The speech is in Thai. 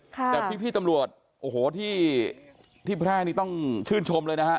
ค่ะแต่พี่พี่ตำรวจโอ้โหที่ที่พระอาทิตย์ต้องชื่นชมเลยนะฮะ